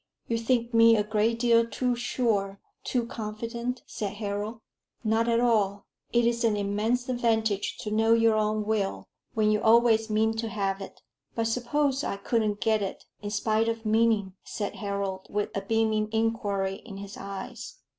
"You think me a great deal too sure too confident?" said Harold. "Not at all. It is an immense advantage to know your own will, when you always mean to have it." "But suppose I couldn't get it, in spite of meaning?" said Harold, with a beaming inquiry in his eyes.